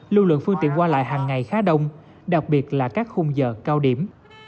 lưu lượng phương tiện qua lại hàng ngày khá đông đặc biệt là các khung giờ cao điểm